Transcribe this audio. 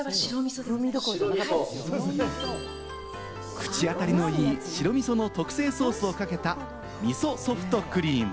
口当たりのいい、白味噌の特製ソースをかけた味噌ソフトクリーム。